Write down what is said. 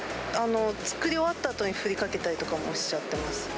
作り終わったあとに振りかけちゃったりとかしています。